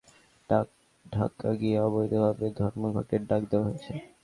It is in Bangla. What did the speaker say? এরপর কোনো আলোচনা ছাড়াই ঢাকা গিয়ে অবৈধভাবে ধর্মঘটের ডাক দেওয়া হয়েছে।